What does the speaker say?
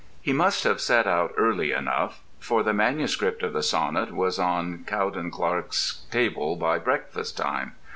He must have set out early enough, for the manuscript of the sonnet was on Cowden Clarke's table by breakfast time.